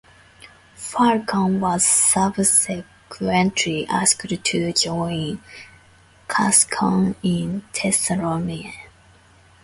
Falcone was subsequently asked to join Cascone in Thessalonians.